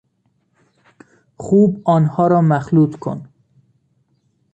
خوب آنها را مخلوط کن